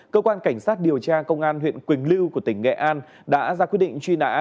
cơ quan cảnh sát điều tra công an huyện quỳnh lưu của tỉnh nghệ an đã ra quyết định truy nã